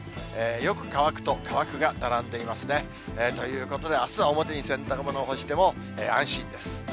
よく乾くと乾くが並んでいますね。ということで、あすは表に洗濯物を干しても安心です。